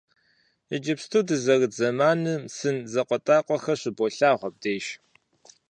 Иджыпсту дызэрыт зэманым сын закъуэтӏакъуэхэр щыболъагъу абдеж.